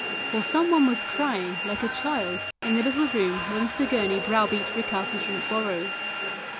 For some one was crying like a child in the little room where Mr. Gurney brow beat recalcitrant borrowers.